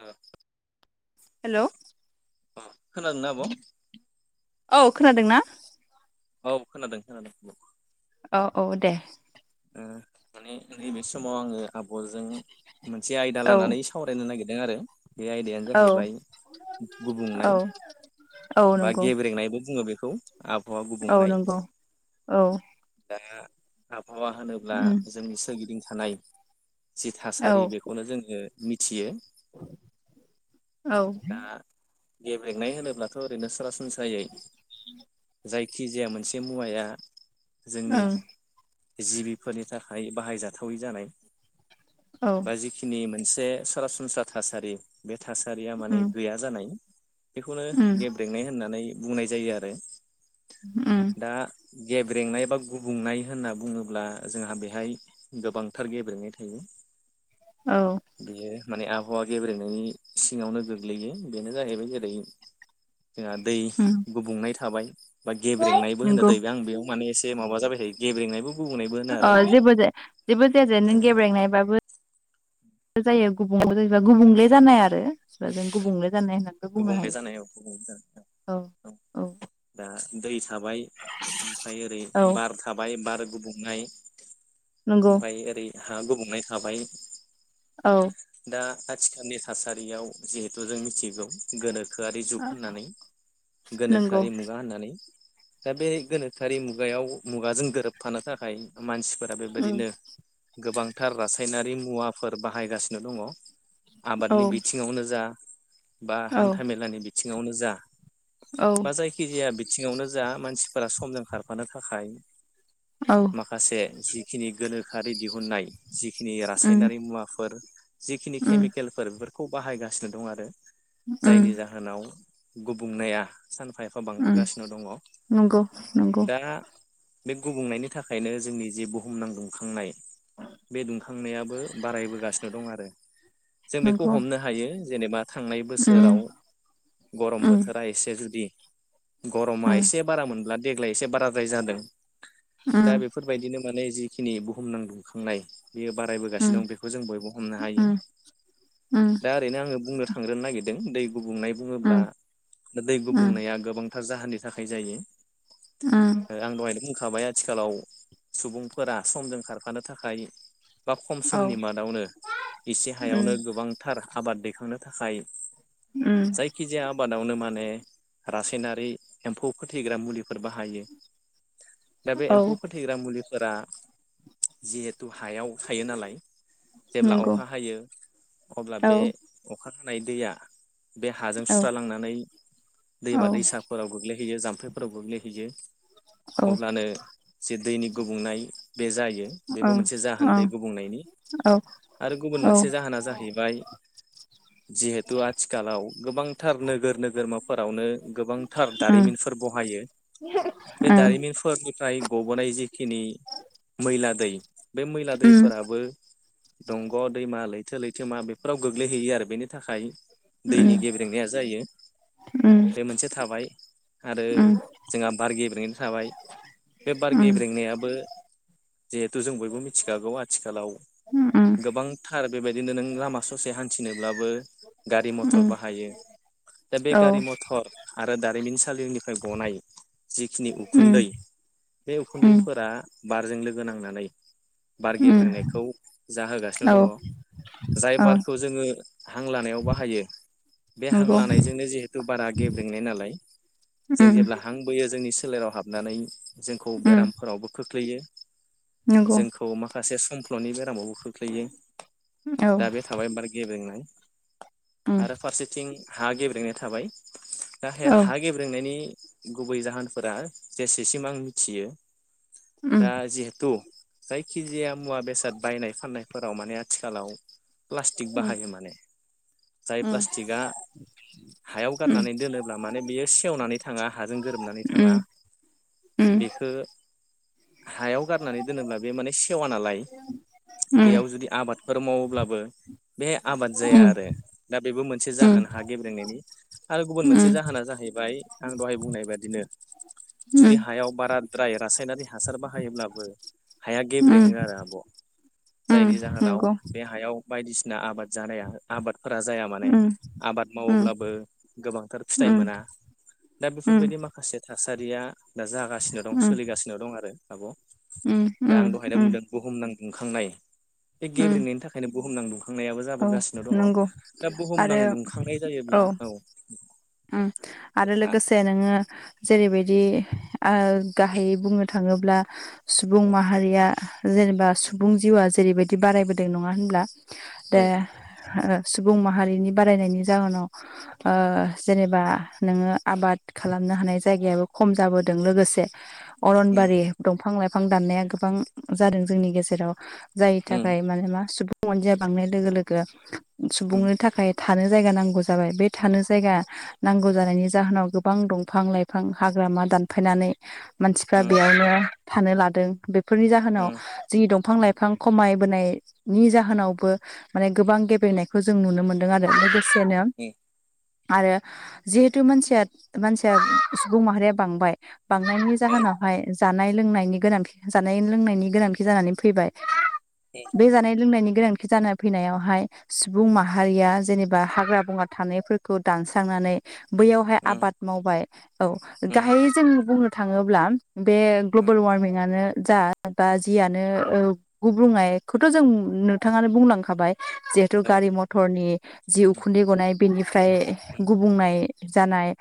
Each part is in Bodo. औ। हेल' अ खोनादोंना आब? औ खोनादों ना? औ खोनादों खोनादों औ। औ औ दे। माने नैबे समाव आङो आब'जों मोनसे आयदा औ लानानै सावरायनो नागिर दों। आरो बे आयदायानो औ जाहैबाय औ गुबुंनाय। औ बा नंगौ गेब्रेंनायबो बुङो बेखौ। आबहावा औ गुबुंनाय नंगौ औ। दा आबहावा होनोब्ला उम जोंनि सोरगिदिं थानाय जि औ थासारि बेखौनो जोङो मिथियो। औ गेब्लेनाय होनोब्लाथ' ओरैनो सरासनस्रायै जाय जखिजाया मोनसे मुवाया जोंनि ओं जिबिफोरनि थाखाय बाहायजाथावै जानाय औ बा जिखिनि मोनसे जे सरासनस्रा थासारि बे थासारिया माने उम गैया जानाय। बेखौनो उम गेब्रेंनाय होननानै बुंनाय जायो आरो ओम। दा गेब्रेंनाय बा गुबुंनाय होनना बुङोब्ला जोंहा बेहाय गोबांथार गेब्रेंनाय था औ बियो माने आबहावा गेब्रेनायनि सिङावनो गोग्लैयो बेनो जाहैबाय जेरै जोंहा दै उम गुबुंनाय थाबाय बा गेब्रेंनायबो होनो नंगौ दैबाय आं बेयाव माने एसे माबा जाबाय थायो गेब्रेंनायबो गुबुंनायबो होनो अ आरो जेबोाया जेबो जायााजाया नों गेब्रेंनायबाबो जायो गुबुंल जायोब गुबुंले जानाय आरो गुबुंले जानाय होननानै गुबुंले जानायाव गुब औ औ दा दै थाबाय ओमफ्राय ओरै औ बार थाबाय बार गुबुंनाय। नंगौ ओमफफ्राय ओरै हा गुबुंनाय थाबाय। औ दा आथिखालनि थासारियाव जिहेथु जों मिथिगौ गोनोखो गोखोआरि जुग होननानै नंगौ गोनोखोआरि मुगा होननानै। दा बे गोनोखोआरि मुगायाव मुगाजों गोरोबफानो थाखाय मानसि फोर उम बेबायदिनो गोबांथार रासायनारि मुवाफोर बाहायगासिनो दङ। औ आबादनि बिथिङावनो जा बा औ हान्था मेलानि बिथिङावनो जा औ बा जायखिजाया बिथिङावनो जा मानसिफोरा समजों खारफानो थाखाय औ माखासे जिखिनि गोनोखोआरि दिहुननाय जिखिनि उम रासायनारि मुवाफोर जिखिनि उम केमिकेलफोर बेफोरखौ बाहायगासिनो दं। आरो उम जायनि जाहोनाव गुबुंनाया सानफा एफा उम बांबोगासिनो दङ। नंगौ नंगौ दा बे गुबुंनायनि थाखायनो जोंनि जे बुहुम नांखांनाय बे दुंखांनायाबो बारायबोगासिनो दं आरो जों बेखौ नंगौ हमनो हायो। जेनेबा थांनाय उम बोसोराव गरम उम बोथोरा एसे जुदि गरमा उम एसे बारा मोनब्ला देग्लाय एसे बाराद्राय जादों दा उम बेफोरबायदिनो माने जिखिनि बुहुम नां लुखांनाय बेयो उम बारायबोगासिनो दं बेखौ जों बयबो दा उम उम ओरैनो आङो बुंनो थांनो नागिरदों। दै गुबुंनाय बुङोब्ला उम दै उम गुबुंनाया गोबांथार जाहोननि थाखाय जायो। उम आं दहायनो। होखाबाय आथिखालाव सुबुंफोरा समजों खारफानो थाखाय बा खम औ समनि मादावनो एसे हायावनो उम गोबांथार आबाद दैखांनो थाखाय उम जायखिजाया आबादावनो माने रासायनारि एम्फौ फोथैग्रा मुलिफोर बाहायो। दा बे औ एमपौ फोथैग्रा मुलि फोरा जिहेथु हायाव थायो नालाय। जेब्ला नंगौ अखा हायो अब्ला औ बे अखा हानाय दैया। बे हाजों औ सुस्रा लांनानै औ दैमा दैसाफोराव गोग्लै। हैयो जाम्फैफोराव गोगै हैयो औ अब्लानो। जे दैनि गुबुंनाय बे जायो बेबो मोनसे औ जाहोन दै गुबुंनायनि। औ आरो गुबुन औ मोनसे जाहोना जाहैबाय। जिहेथु आथिखालाव गोबांथार नोगोर नोगोरमाफोरावनो गोबांथार उम दारिमिनफोर ब। हायो बे दारिमिनफोरनिफ्राय गबोनाय जिखिनि मैला दै। बे मैला उम दैफोराबो। दंग' दैमा लैथो लैथो मा बेफोराव गोग्लैहैयो आरो बेनि थाखाय। दैनि उम गेब्रेंनाया जायो उम बे मोनसे थाबाय। आरो उम जोंहा बार गेब्रेंनाय थाबाय बे बार उम गेब्रेंनायाबो। जिहेथु जों बयबो मिथिखागौ आथिखालाव। उम गोबांथार बेबायदिनो नों लामा ससे हान्थिनोब्लाबो गारि उम मथर बाहायो। दा बे औ गारि मथर। आरो दारिमिनसालिनिफ्राय गनाय जिखिनि उम उखुन्दै। बे उम उखुन्दैफोरा बारजों लोगो नांनानै बार उम गेब्रेनायखौ। जाहोगासिनो औ दङ जाय औ बारखौ जोङो हां लानायाव बाहायो। बे हां नंगौ लानायजोंनो जिहेथु बारा गेब्रेंनाय नालाय जों उम जेब्ला हां बोयो जोंनि। सोलेराव हाबनानै जोंखौ उम बेरामफोरावबो खोख्लैयो नंगौ जोंखौ मा। खासे समफ्ल'नि बेरामावबो खोख्लैयो औ दा बे थाबाय बार गेब्रेंनाय। उम आरो फारसेथिं हा गेब्रेंनाय थाबाय दा औ हा गेब्रेंनायनि। गुबै जाहोनफोरा जेसेसिम आं मिथियो उम दा जिहेथु। जायखिजाया मुवा बेसाद बायनाय फाननायफोराव माने आथिखालाव। प्लास्टिक उम बाहायो माने जाय उम उम प्लास्टिकआ। हायाव गारनानै दोनोब्ला माने बियो सेवनानै थाङा हाजों गोरोबनानै उम उम थाङा। बिखो। हायाव गारनानै दोनोब्ला बे माने सेवा नालाय बेयाव जुदि आबाद। आबादफोर मावोब्लाबो। बेहाय आबाद जाया आरो दा बेबो मोनसे उम उम जाहोन हा गेब्रेंनायनि आरो गुबुन मोनसे उम जाहोना जाहैबाय। बाय आं दहाय बुंनाय बादिनो जुदि उम हायाव बारा। फ्राय रासायनारि हासार बाहायोब्लाबो हाया गेब्रेङो उम आरो आब'। उम जायनि जाहोनाव नंगौ बे हायाव बायदिसिना आबाद जानाया आबाद। फोर जाया माने उम आबाद उम मावोब्लाबो गोबांथार फिथाइ उम मोना। दा उम बेफोरबायदि माखासे थासारिया दा जागासिनो दं उम सोलिगासिनो दं आरो आब'। उम दा उम आं दहाय दा उम बुंदों बुहुमनां दुखांनाय। बे उम गेब्रेनायनि थाखायनो बुहुमनांदुं। खांनायाबो औ जाबोगासिनो दङ नंगौ दा बुहुम नां आरो दुंखांनाय जायोब्ला औ। उम आरो लोगोसे नोङो। जेरैबायदि ओ गाहायै बुंनो थाङोब्ला। सुबुं माहारिया जेनेबा सुबुं जिउआ जेरैबायदि बारायबोदों नङा होनब्ला। औ दा सुबुं माहारिनि बारायनायनि जाहोनाव ओ। बा नोङो आबाद खालामनो हानाय जायगायाबो खम जाबोदों लोगोसे। उम अरनबारि दंफां लाइफां दाननाया गोबां जादों जोंनि गेजेराव। जायनि उम थाखाय माने मा सुबुं अनजिाया बांनाय लोगो लोगो उम सुबुंनो थाखाय। थानो जायगा नांगौ जाबाय बे थानो जायगा। नांगौ जानायनि जाहोनाव गोबां दंफां लाइफां हाग्रामा दानफायनानै। मानसिफ्रा उम बेयावनो थानो लादों बेफोरनि जाहोनाव उम जोंनि दंफां। फां लाइफां खमायबोनायनि जाहोनावबो माने गोबां गेब्रेंनायखौ जों नुनो मोनदों आरो। सोनोम आरो जिहेथु मानसिया मानसिया सुबुं माहारिया बांबाय बांनायनि औ जाहोनावहाय जानाय लोंनायनि गोनां जानाय लोंनायनि गोनांथि जानानै फैबाय बे जानाय लोंनायनि गोनांथि जाना फैनायावहाय सुबुं माहारिया जेनेबा हाग्रा बंग्रा थानायफो खौ दानस्रांनानै बैयावहाय उम आबाद मावबाय औ उम गाहायै जों बुंनो थाङोब्ला बे औ ग्लबेल वारमिंआनो जा बा जियानो गुबुंनायखौथ' जों, नोंथाङानो बुंलांखाबाय जिहेथु औ गारि मथरनि जि उखुन्दै गनाय बेनिफ्राय गुबुंनाय जानाय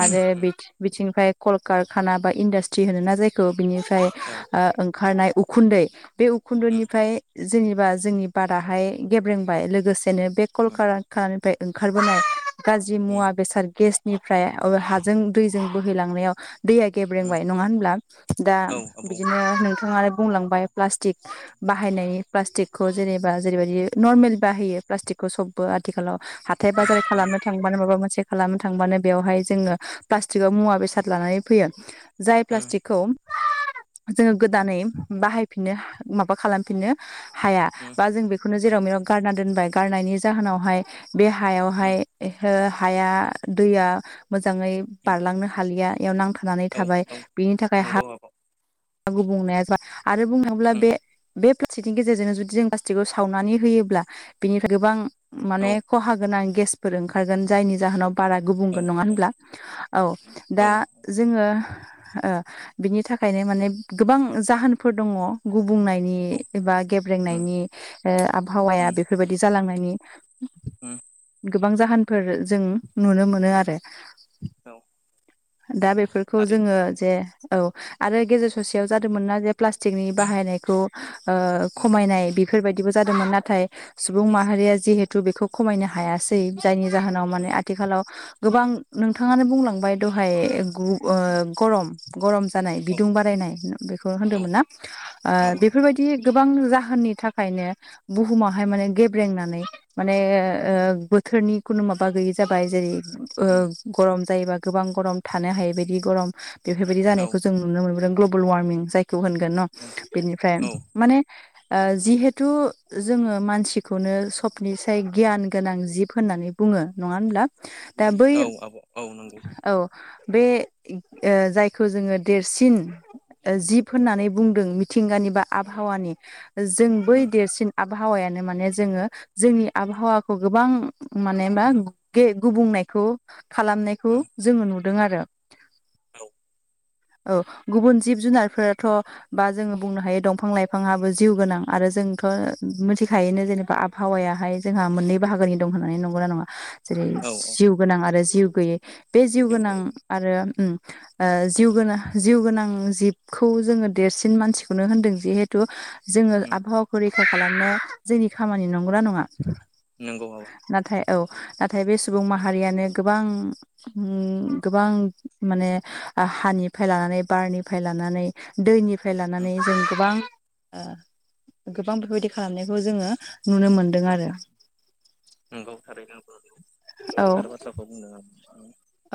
आरो बिथिं बिथिंनिफ्राय कलकारखाना बा इन्डास्ट्रि होनोना जायखौ बिनिफ्राय ओ ओंखारनाय उखुन्दै बे उखुन्दुनिफ्राय जेनेबा जोंनि बाराहाय गेब्रेंबाय लोगोसेनो बे कलकारखानिफाय ओंखारबोनाय गाज्रि मुवा बेसाद गेस निफ्राय ओ हाजों दैजों बोहैलांनायाव दैया गेब्रेंबाय नङा होनब्ला दा औ आबौ बिदिनो नोंथाङा आरो बुंलांबाय प्लास्टिक बाहायनाय प्लास्टिकखौ जेनेबा जेरैबायदि नर्मेल बाहायो पासटिकखौ सबबो आथिखालाव हाथाय बाजार खालामनो थांबानो माबा मोनसे खालामनो थांबानो बेयावहाय जोङो प्लास्टिकआव मुवा बेसाद लानानै फैयो। जाय प्लास्टिकखौ जोङो गोदानै बाहायफिननो माबा खालामफिननो हाया औ बा जों बेखौनो जेराव मेराव गारना दोनबाय गारनायनि जाहोनावहाय बे हायावहाय औ हो हाया दैया मोजाङै बारलांनो हालिया इयाव नांथा नानै थाबाय बिनि थाखाय हा नंगौ आबौ गुबुंनाया जा आरो बुंनो थांब्ला औ बे बे प्लास्टिकनि गेजेरजोंनो जुदि जों प्लास्टिकखौ सावनानै होयोब्ला बेनिफ्राय गोबां औ माने खहा गोनां गेसफोर ओंखारगोन जायनि जाहोनाव बारा गुबुंगोन नङा औ होनब्ला औ दा जोङो ओ बिनि थाखायनो माने गोबां जाहोनफोर दङ गुबु बुंनायनि औ एबा गेब्रेंनायनि ओ आबहावाया बेफोरबायदि जालांनायनि ओ गोबां जाहोनफोर जों नुनो मोनो आरो औ दा बेफोरखौ थारैनो जोङो जे औ आरो गेजेर ससेयाव जादोंमोन ना जे प्लास्टिकनि बाहायनायखौ ओ खमायनाय बेफोरबायदिबो जादोंमोन नाथाय सुबुं माहारिया जिहेथु बेखौ खमायनो हायासै जायनि जाहोनाव माने आथिखालाव गोबां नोंथाङानो बुंलांबाय दहाय गु ओ गरम गरम जानाय औ बिदुं बारायनाय बेखौ औ होनदोंमोन ना ओ औ आब' बेफोरबायदि गोबां जाहोननि थाखायनो बुहुमावहाय उम माने गेब्रेंनानै माने उम ओ बोथोरनि खुनु माबा गैयि जाबाय जेरै ओ उम गरम जायोबा गोबां गरम थानो हायै बायदि गरम बेफोरबायदि औ जानायखौ जों नुनो मोनबोदों ग्लबेल वार्मिं जाय खौ होनगोन न' उम बिनिफ्राय औ माने ओ जिहेथु जोंङो मानसिखौनो सबनिसाय गियान गोनां जिब होननानै बुं ङो नंङा होनब्ला दा बै औ आब' औ नंगौ औ बे ओ जायखौ जोङो देरसिन ओ जिब होननानै बुंदों मिं थिंगानि बा आबहावानि जों बै उम देरसिन आबहावायानो माने जोङो जोंनि आबहावाखौ गोबां माने मा गे गुबुंनायखौ खालामनायखौ उम जोंङो नुदों आरो औ औ गुबुन जिब जुनारफोराथ बा जोङो बुंनो हायो दंफां लाइफाङाबो जिउ गोनां आरो जोंथ' मिथिखायनो जेनेबा आबहावायाहाय जोंहा मोननै बाहागोनि दं होननानै नंगौना नङा जेरै औ औ जिउ गोनां आरो जिउ गोैयै बे जिउ जेबो गोनां गैया आरो उम आ जिउ गोनां जिउ गोनां जिबखौ जोङो देरसिन मानसिखौनो होनदों जिहेथु जोङो उम आबहावाखौ रैखा खालामनो जोंनि खामानि नंगौना नङा? नोंगौ बाबा नाथाय औ नाथाय बे सुबुं माहारियानो गोबां गोबां माने हानिफ्राय लानानै बारनिफ्राय लानानै दैनि निफ्राय उम लानानै जों गोबां ओ! गोबां बेफोरबायदि खालामनायखौ जोङो नुनो मोनदों आरो। नोंगौ थारैनो आब' नोंगौ औ थार बाथ्राखौ बुंदों नों।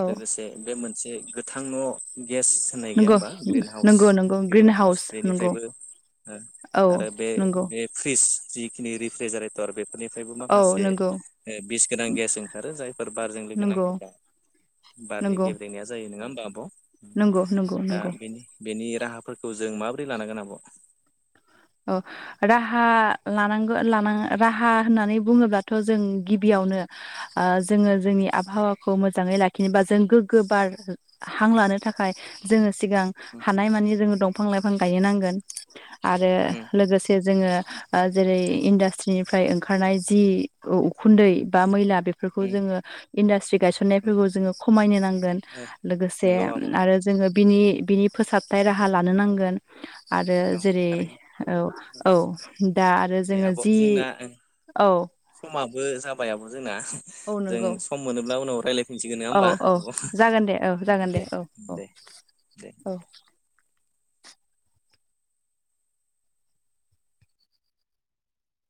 औ लोगोसे बे मोनसे गोथां न' गेस होननाय गैया नंगौ होमबा ग्रिन हाउस नंगौ नंगौ ग्रिन हाउस नंगौ बेनिफ्रायबो औ आरो बे नंगौ बे फ्रिज जिखिनि रिफ्रिजारेटर बेफोरनिफ्रायबो औ माखासे नंगौ बिस गोनां गेस ओंखारो जायफोर बारजों लोगो नंगौ नाङोब्ला बारनि नंगौ गेब्रेनाया जायो नङा होम नंगौ नंगौ नंगौ दा नंगौ बेनि बेनि राहाफोरखौ जों माबोरै लानांगोन आब'? औ राहा लानांगौ लानाङा राहा होननानै बुङोब्लाथ' जों गिबियाव यावनो ओ जोङो जोंनि आबहावाखौ मोजाङै लाखियोबा जों गोग्गो बार हां लानो थाखाय जोङो सिगां उम हानायमानि जोङो दंफां लाइफां गायनो नांगोन आरो उम लोगोसे जोङो जेरै इडास्ट्रिनिफ्राय ओंखारनाय जि उखुन्दै बा मैला बेफोरखौ उम जोङो इडास्ट्रि उम गायसनायफोरखौ जोङो खमायनो नांगोन। ओ लोगोसे नंगौ आब' औ आरो जोङो बिनि बिनि फोसाबथाय राहा लानो नांगोन। आरो जेरै थारैनो औ औ दा आरो दे जोङो आब' जि जोंना औ समाबो जाबाय आब' जोंना औ जों नंगौ सम मोनोब्ला उनाव रायलाय फिनसिगोन नङा औ होमबा औ जागोन दे औ जागोन आब' दे औ औ दे दे औ